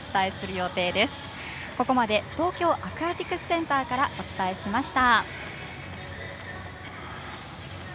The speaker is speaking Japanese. ここまで東京アクアティクスセンターからお伝えしました。